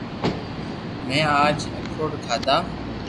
مي اج اکروڌ کادا